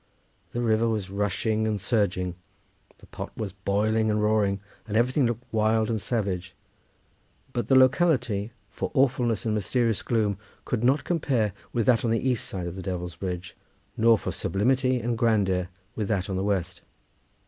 The river was rushing and surging, the pot was boiling and roaring, and everything looked wild and savage; but the locality for awfulness and mysterious gloom could not compare with that on the east side of the Devil's Bridge, nor for sublimity and grandeur with that on the west.